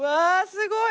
すごい！